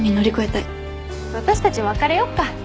私たち別れよっか。